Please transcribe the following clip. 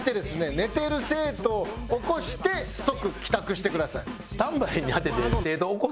寝てる生徒を起こして即帰宅してください。